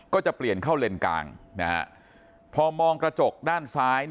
ก็จะเปลี่ยนเข้าเลนกลางพอมองกระจกด้านซ้าย